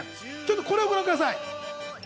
これをご覧ください。